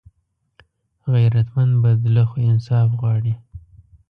غیرتمند بدله خو انصاف غواړي